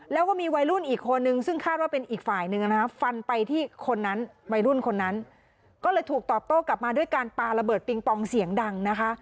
แล้วก็มีวัยรุ่นอีกคนนึงซึ่งคาดว่าเป็นอีกฝ่ายนึงนะคะฟันไปที่คนนั้นวัยรุ่นคนนั้นก็เลยถูกตอบโต้กลับมาด้วยการปลาระเบิดปิงปองเสียงดังนะคะ